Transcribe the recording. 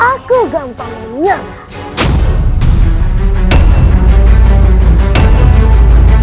aku gampang menyerah